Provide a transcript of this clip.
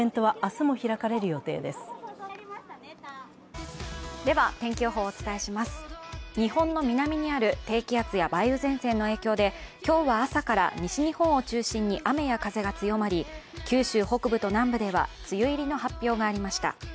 日本の南にある低気圧や梅雨前線の影響で今日は朝から西日本を中心に雨や風が強まり九州北部と南部では梅雨入りの発表がありました。